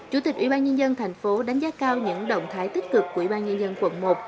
chủ tịch ủy ban nhân dân thành phố đánh giá cao những động thái tích cực của ủy ban nhân dân quận một